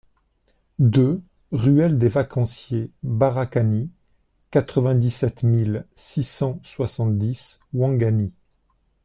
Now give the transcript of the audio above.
deux rLE DES VACANCIERS BARAKANI, quatre-vingt-dix-sept mille six cent soixante-dix Ouangani